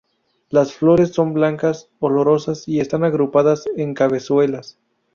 Las flores son blancas, olorosas y están agrupadas en cabezuelas.